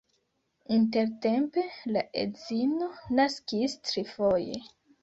Intertempe la edzino naskis trifoje.